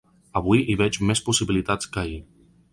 Avui hi veig més possibilitats que ahir.